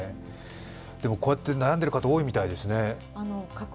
こうやって悩んでいる方多いみたいですね。